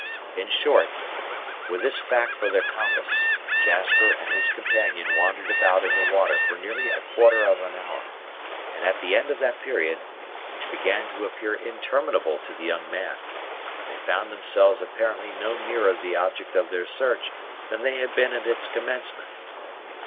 In short, with this fact for their compass, Jasper and his companion wandered about in the water for nearly a quarter of an hour; and at the end of that period, which began to appear interminable to the young man, they found themselves apparently no nearer the object of their search than they had been at its commencement.